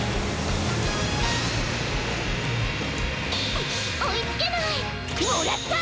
くっおいつけない！もらった！